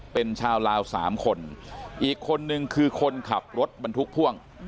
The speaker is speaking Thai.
เป็นชาวลาว๓คนอีกคนนึงคือคนขับรถบรรทุกพ่วง